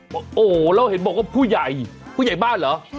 โหแล้วเห็นบอกผู้ใหญ่บ้านเหรอ